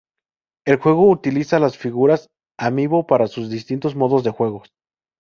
El juego utiliza las figuras amiibo para sus distintos modos de juego.